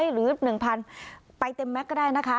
หรือ๑๐๐๐ไปเต็มแม็กซ์ก็ได้นะคะ